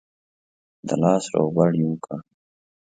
د لاس روغبړ یې وکړ.